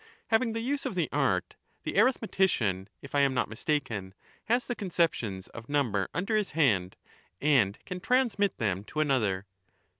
Having the use of the art, the arithmetician, if I am not mistaken, has the conceptions of number under his hand, and can transmit them to another.